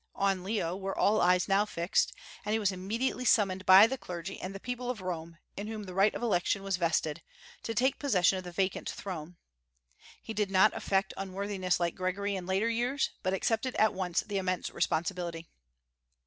On Leo were all eyes now fixed, and he was immediately summoned by the clergy and the people of Rome, in whom the right of election was vested, to take possession of the vacant throne. He did not affect unworthiness like Gregory in later years, but accepted at once the immense responsibility.